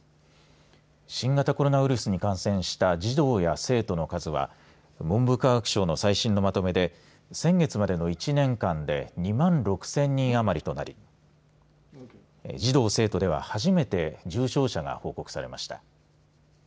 新型コロナウイルスに感染した児童や生徒の数は文部科学省の最新のまとめで先月までの１年間で２万６０００人余りとなり児童、生徒では初めて重症者が報告されました。